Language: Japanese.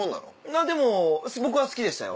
まぁでも僕は好きでしたよ。